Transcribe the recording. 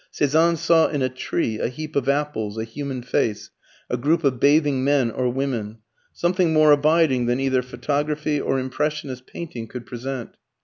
Cezanne saw in a tree, a heap of apples, a human face, a group of bathing men or women, something more abiding than either photography or impressionist painting could present.